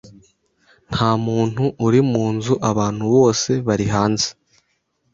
Nta muntu uri mu nzu. Abantu bose bari hanze.